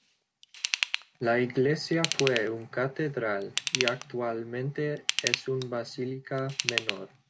La iglesia fue una catedral y actualmente es una basílica menor.